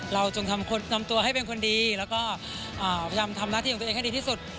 เราจงทำตัวให้เป็นคนดีแล้วก็ทำนาธิตัวเองให้ดีที่สุด